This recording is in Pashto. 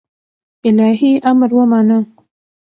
الهي امر ومانه